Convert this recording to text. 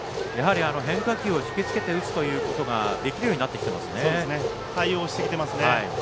変化球を引き付けて打つということを対応してきていますね。